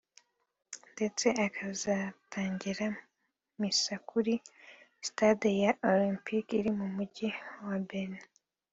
ndetse akazatangira misa kuri sitade ya Olympic iri mu Mujyi wa Berlin